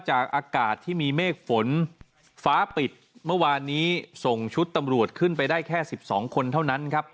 อากาศที่มีเมฆฝนฟ้าปิดเมื่อวานนี้ส่งชุดตำรวจขึ้นไปได้แค่๑๒คนเท่านั้นครับ